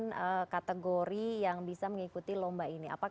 ada delapan kategori yang bisa mengikuti lomba ini